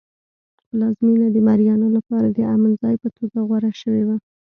پلازمېنه د مریانو لپاره د امن ځای په توګه غوره شوی و.